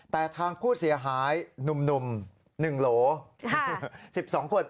แต่ทางผู้เสียหายหนุ่ม๑โหล๑๒คน